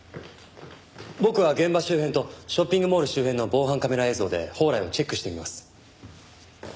僕は現場周辺とショッピングモール周辺の防犯カメラ映像で宝来をチェックしてみます。